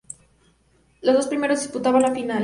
Los dos primeros disputaban la final.